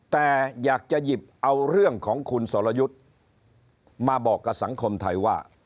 แต่อยากจะหยิบเอาเรื่องของคุณสรยุทธ์มาบอกกับสังคมไทยว่า